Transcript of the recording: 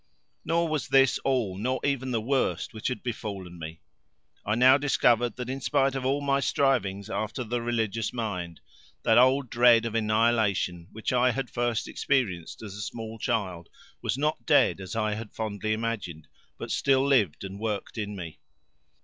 Nor was this all nor even the worst which had befallen me; I now discovered that in spite of all my strivings after the religious mind, that old dread of annihilation which I had first experienced as a small child was not dead as I had fondly imagined, but still lived and worked in me.